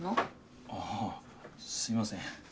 ああすいません。